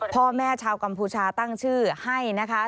พ่อแม่ชาวกัมพูชาตั้งชื่อให้นะคะ